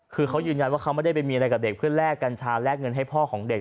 คือเขายืนยันว่าเขาไม่ได้ไปมีอะไรกับเด็กเพื่อแลกกัญชาแลกเงินให้พ่อของเด็ก